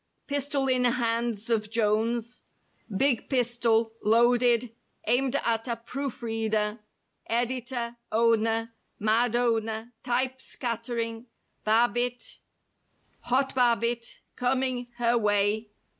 PISTOL IN HANDS OF JONES—BIG PIS¬ TOL, LOADED, AIMED AT A PROOF¬ READER. EDITOR, OWNE R—MAD OWNER. TYPE SCATTERING, BAB¬ BITT, HOT BABBITT, COMING HER WAY.